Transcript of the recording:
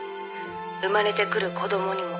「生まれてくる子供にも」